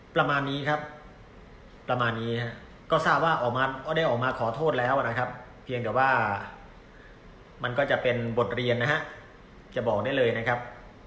ประมาณนี้ครับประมาณนี้นะครับก็ทราบว่าออกมาก็ได้ออกมาขอโทษแล้วนะครับเพียงแต่ว่ามันก็จะเป็นบทเรียนนะฮะจะบอกได้เลยนะครับ